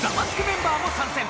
メンバーも参戦！